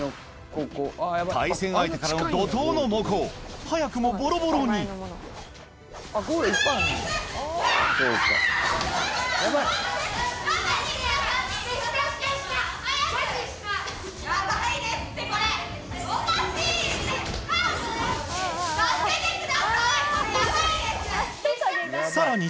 対戦相手からの怒濤の猛攻早くもぼろぼろにさらに